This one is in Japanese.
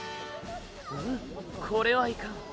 むこれはいかん。